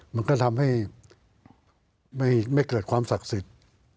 มันก็ทำให้ไม่เกิดความศักดิ์สิทธิ์